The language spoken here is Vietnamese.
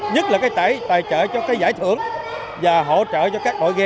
nhất là cái tài trợ cho cái giải thưởng và hỗ trợ cho các đội gh